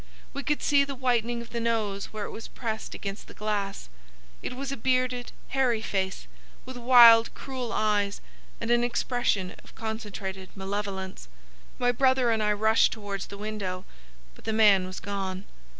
We could see the whitening of the nose where it was pressed against the glass. It was a bearded, hairy face, with wild cruel eyes and an expression of concentrated malevolence. My brother and I rushed towards the window, but the man was gone.